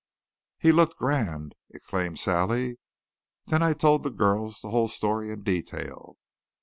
"He looked grand!" exclaimed Sally. Then I told the girls the whole story in detail.